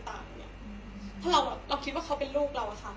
ถ้าเราว่าเราคิดว่าเขาเป็นลูกเราอะคะ